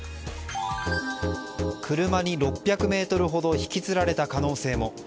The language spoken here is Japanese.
車に６００ｍほど引きずられた可能性も。